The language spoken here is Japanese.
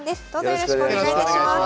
よろしくお願いします。